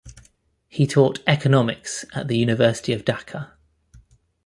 He taught economics at the University of Dhaka.